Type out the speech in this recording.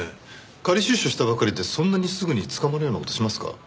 仮出所したばかりでそんなにすぐに捕まるような事しますか？